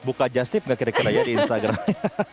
buka just tip gak kira kira ya di instagram